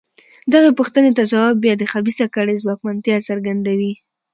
دغې پوښتنې ته ځواب بیا د خبیثه کړۍ ځواکمنتیا څرګندوي.